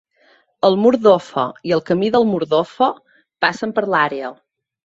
El mur d'Offa i el camí del mur d'Offa passen per l'àrea.